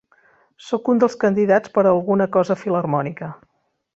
Sóc un dels candidats per a alguna cosa filharmònica.